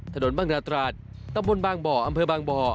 ถนนบางนาตราดตำบลบางบ่ออำเภอบางบ่อ